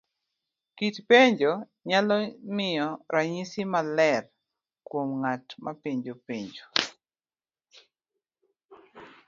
Kit penjo nyalo miyi ranyisi maler kuom nga't mapenjo penjo.